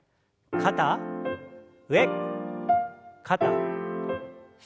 肩上肩下。